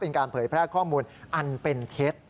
เป็นการเผยแพร่ข้อมูลอันเป็นเท็จ